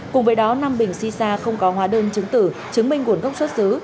cùng với đó năm bình si sa không có hóa đơn chứng tử chứng minh nguồn gốc xuất xứ